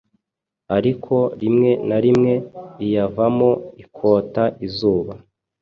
ariko rimwe na rimwe iyavamo ikota izuba